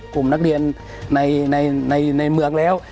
กลุ่มนักเรียนในเมืองแล้ว